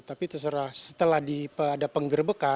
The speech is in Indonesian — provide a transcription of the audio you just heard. tapi terserah setelah ada penggerbek